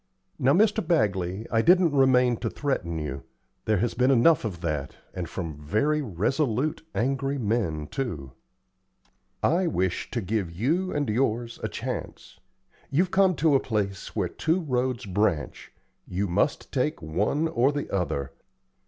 Now, Mr. Bagley, I didn't remain to threaten you. There has been enough of that, and from very resolute, angry men, too. I wish to give you and yours a chance. You've come to a place where two roads branch; you must take one or the other.